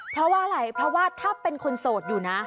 เพราะว่าอะไรถ้าเป็นคนโสดอยู่นะ